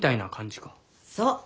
そう。